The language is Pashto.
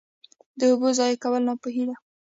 د اوبو ضایع کول ناپوهي ده.